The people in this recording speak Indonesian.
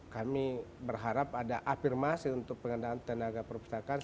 kami berharap ada afirmasi untuk pengendalian tenaga perpustakaan